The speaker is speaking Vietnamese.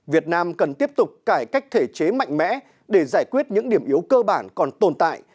việt nam cần tiếp tục cải cách thể chế mạnh mẽ để giải quyết những điểm yếu cơ bản còn tồn tại